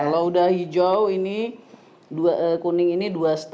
kalau udah hijau ini kuning ini dua lima